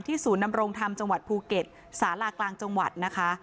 ศูนย์นำรงธรรมจังหวัดภูเก็ตสารากลางจังหวัดนะคะ